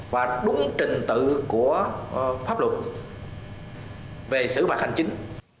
về sử phạt hành chính